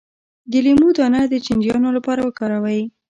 د لیمو دانه د چینجیانو لپاره وکاروئ